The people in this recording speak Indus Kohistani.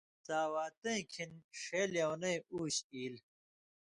ساواتَیں کھیں ݜے لېونئ اُوش ایلیۡ